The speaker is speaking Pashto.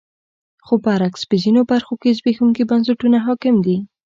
خو برعکس په ځینو برخو کې زبېښونکي بنسټونه حاکم دي.